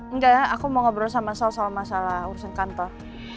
enggak ya aku mau ngobrol sama soal soal masalah urusan kantor